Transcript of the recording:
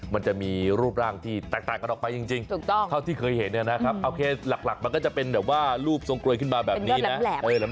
มันจะมีรูปร่างที่แตกต่างกันออกไปจริงเท่าที่เคยเห็นนะครับโอเคหลักมันก็จะเป็นแบบว่ารูปทรงกลวยขึ้นมาแบบนี้นะ